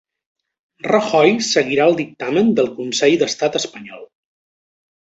Rajoy seguirà el dictamen del Consell d'Estat espanyol